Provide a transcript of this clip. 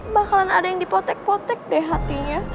bakalan ada yang dipotek potek deh hatinya